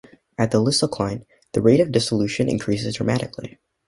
At the lysocline, the rate of dissolution increases dramatically.